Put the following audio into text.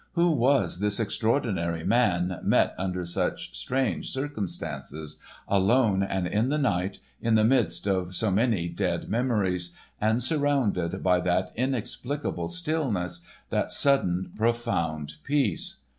Who was this extraordinary man met under such strange circumstances, alone and in the night, in the midst of so many dead memories, and surrounded by that inexplicable stillness, that sudden, profound peace?